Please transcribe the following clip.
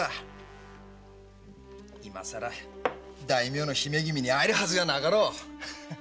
今さら大名の姫君に会えるはずがなかろう。